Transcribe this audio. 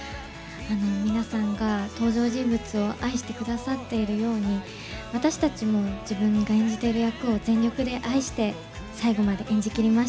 皆さんが登場人物を愛してくださっているように私たちも自分が演じている役を全力で愛して最後まで演じきりました。